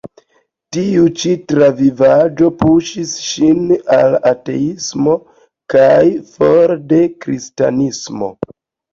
Tiu ĉi travivaĵo puŝis ŝin al ateismo kaj for de Kristanismo.